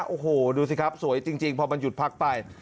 โอ้โหดูสิครับสวยจริงพอมันหยุดพักไป